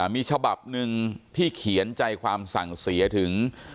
มีฉบับหนึ่งที่เขียนใจความสั่งเสียถึง